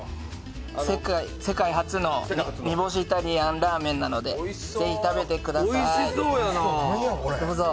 世界初の煮干しイタリアンラーメンなのでぜひ食べてください、どうぞ。